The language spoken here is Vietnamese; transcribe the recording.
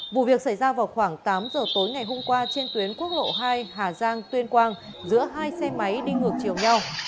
vụ việc xảy ra vào khoảng tám giờ tối ngày hôm qua trên tuyến quốc lộ hai hà giang tuyên quang giữa hai xe máy đi ngược chiều nhau